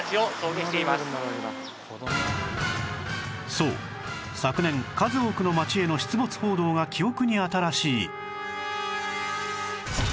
そう昨年数多くの街への出没報道が記憶に新しい